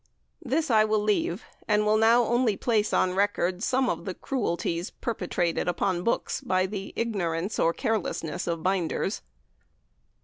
This I will leave, and will now only place on record some of the cruelties perpetrated upon books by the ignorance or carelessness of binders.